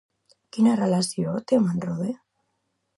Quina relació té amb Rode?